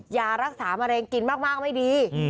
ยารักษามะเร็งกินมากไม่ดี